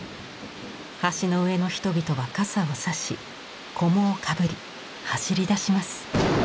橋の上の人々は傘を差し菰をかぶり走りだします。